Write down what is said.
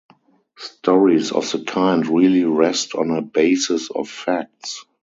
Stories of the kind really rest on a basis of facts.